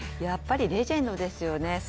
やっぱりレジェンドですよね。